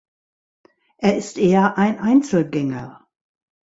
Er ist eher ein Einzelgänger.